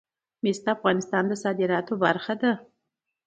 مس د افغانستان د صادراتو برخه ده.